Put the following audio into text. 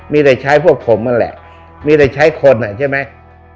มีแต่ใช้พวกผมนั่นแหละมีแต่ใช้คนอ่ะใช่ไหม